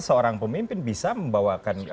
seorang pemimpin bisa membawakan